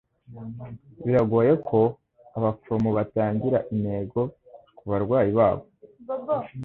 Biragoye ko abaforomo batagira intego kubarwayi babo.